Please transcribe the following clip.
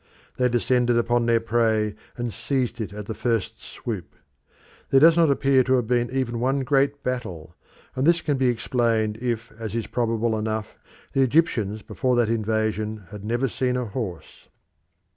They descended upon their prey and seized it at the first swoop. There does not appear to have been even one great battle, and this can be explained if, as is probable enough, the Egyptians before that invasion had never seen a horse.